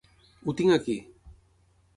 Ho tinc aquí.